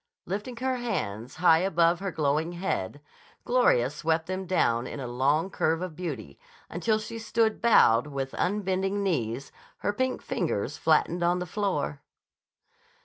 Lifting her hands high above her glowing head, Gloria swept them down in a long curve of beauty, until she stood bowed but with unbending knees, her pink fingers flattened on the floor.